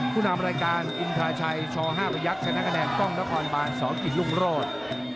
ผู้นำรายการอินทราชัยช่อ๕ประยักษณ์สถานกแนะกล้องกล้องนครบานสองกิลุงโรด